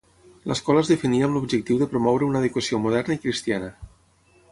L'escola es definia amb l'objectiu de promoure una educació moderna i cristiana.